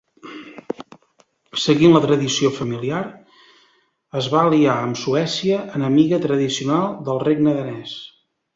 Seguint la tradició familiar, es va aliar amb Suècia, enemiga tradicional del regne danès.